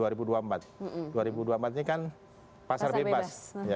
dua ribu dua puluh empat ini kan pasar bebas